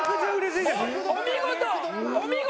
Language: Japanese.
お見事！